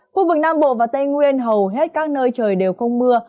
khu vực nam bộ và tây nguyên hầu hết các nơi trời đều không mưa